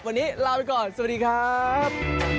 วันนี้ลาไปก่อนสวัสดีครับ